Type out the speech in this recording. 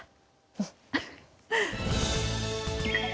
うん。